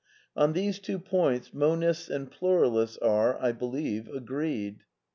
On these two points Monists and Pluralists are, I believe, agreed.